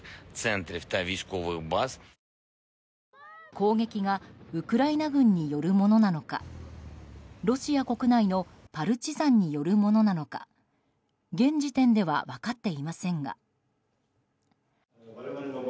攻撃がウクライナ軍によるものなのかロシア国内のパルチザンによるものなのか現時点では分かっていませんが。